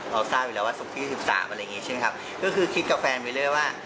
เราทราบอยู่แล้วว่าศุกร์ที่สิบสามอะไรอย่างงี้ใช่ไหมครับก็คือคิดกับแฟนไปเรื่อยว่า